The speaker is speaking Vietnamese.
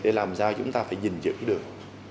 để làm sao chúng ta phải giữ được